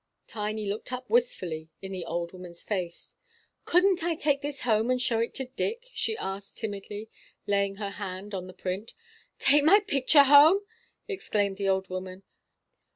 Tiny looked up wistfully in the old woman's face. "Couldn't I take this home, and show it to Dick?" she asked, timidly, laying her hand on the print. "Take my picture home!" exclaimed the old woman.